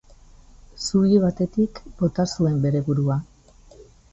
Zubi batetik bota zuen bere burua.